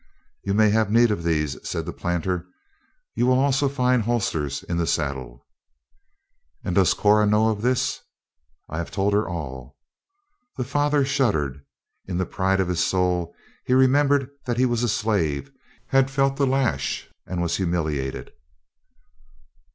"You may have need of these," said the planter. "You will also find holsters in the saddle." "And does Cora know of this?" "I have told her all." The father shuddered. In the pride of his soul, he remembered that he was a slave, had felt the lash, and was humiliated.